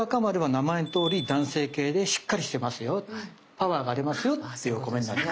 パワーがありますよっていうお米になってます。